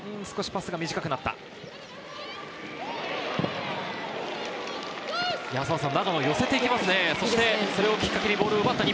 パスが短くなった。